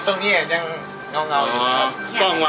เตือนที่สุดมีกาลุนท์ที่จะมากกว่า